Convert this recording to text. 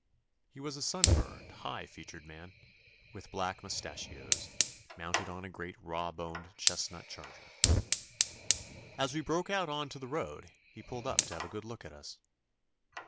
He was a sun burned, high featured man, with black mustachios, mounted on a great raw boned chestnut charger. As we broke out on to the road he pulled up to have a good look at us.